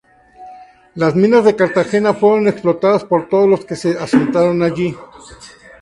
Las minas de Cartagena fueron explotadas por todos los que se asentaron allí.